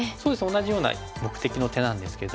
同じような目的の手なんですけども。